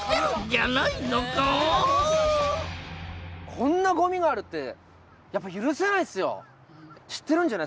こんなごみがあるってやっぱ許せないっすよ！